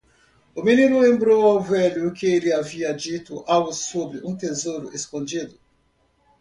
O menino lembrou ao velho que ele havia dito algo sobre um tesouro escondido.